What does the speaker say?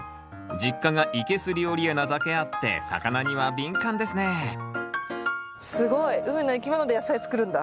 実家が生けす料理屋なだけあって魚には敏感ですねすごい海の生き物で野菜作るんだ。